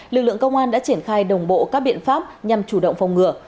lực lượng công an đã triển khai đồng bộ các biện pháp nhằm chủ động phòng ngừa